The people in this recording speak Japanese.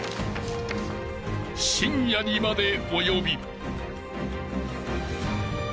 ［深夜にまでおよび］